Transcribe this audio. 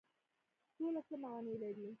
سوله څه معنی لري؟